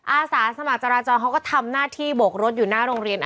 อาสาสมัครจราจรเขาก็ทำหน้าที่โบกรถอยู่หน้าโรงเรียน